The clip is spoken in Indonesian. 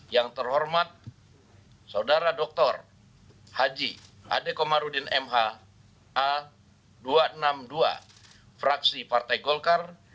yang terhormat saudara dr haji ade komarudin mh a dua ratus enam puluh dua fraksi partai golkar